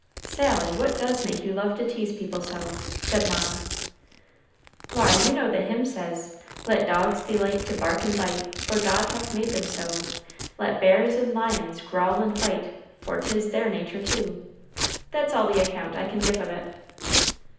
"Sally, what does make you love to tease people so?" said Mara. "Why, you know the hymn says, 'Let dogs delight to bark and bite, For God hath made them so; Let bears and lions growl and fight, For 'tis their nature too.' That's all the account I can give of it."